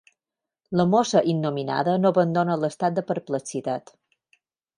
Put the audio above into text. La mossa innominada no abandona l'estat de perplexitat.